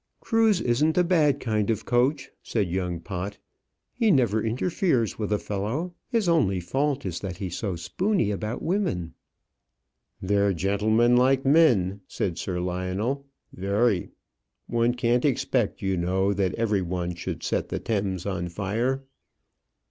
"Cruse isn't a bad kind of coach," said young Pott. "He never interferes with a fellow. His only fault is that he's so spoony about women." "They're gentlemanlike men," said Sir Lionel; "very. One can't expect, you know, that every one should set the Thames on fire."